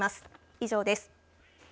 以上です。